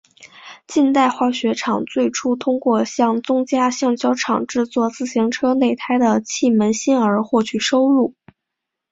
近代化学厂最初通过向宗家橡胶厂制作自行车内胎的气门芯而获取收入。